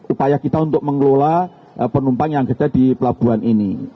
upaya kita untuk mengelola penumpang yang ada di pelabuhan ini